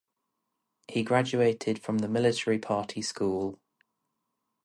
He graduated from the Military Party School.